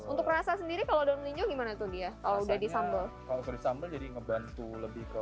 untuk rasa sendiri kalau daun linjo gimana tuh dia kalau udah di sambal jadi ngebantu lebih ke